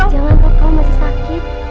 jangan kok kamu masih sakit